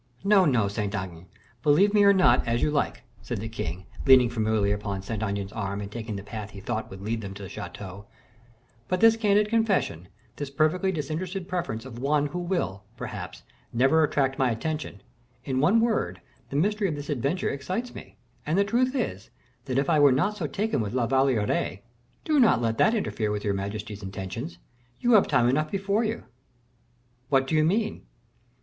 "No, no, Saint Aignan, believe me or not, as you like," said the king, leaning familiarly upon Saint Aignan's arm and taking the path he thought would lead them to the chateau; "but this candid confession, this perfectly disinterested preference of one who will, perhaps, never attract my attention in one word, the mystery of this adventure excites me, and the truth is, that if I were not so taken with La Valliere " "Do not let that interfere with your majesty's intentions: you have time enough before you." "What do you mean?"